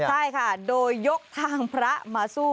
ใช่ค่ะโดยยกทางพระมาสู้